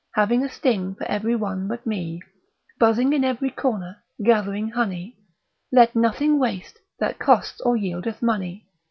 Having a sting for every one but me; Buzzing in every corner, gath'ring honey: Let nothing waste, that costs or yieldeth money.